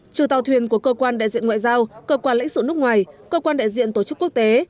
trừ tàu thuyền của cơ quan đại diện ngoại giao cơ quan lãnh sự nước ngoài cơ quan đại diện tổ chức quốc tế